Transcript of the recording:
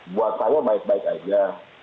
buat saya baik baik saja